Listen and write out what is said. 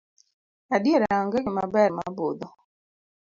Adiera onge gima ber mabudho.